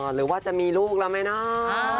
หรือว่าจะมีลูกแล้วไหมเนาะ